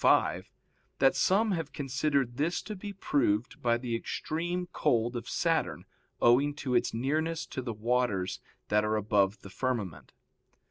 ii, 5) that some have considered this to be proved by the extreme cold of Saturn owing to its nearness to the waters that are above the firmament.